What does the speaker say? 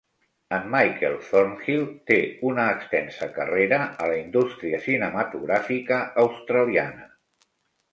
En Michael Thornhill té una extensa carrera a la indústria cinematogràfica australiana.